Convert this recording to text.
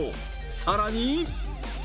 さらに。